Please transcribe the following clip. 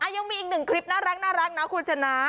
ยังมีอีกหนึ่งคลิปน่ารักนะคุณชนะ